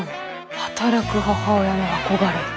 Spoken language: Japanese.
働く母親の憧れ。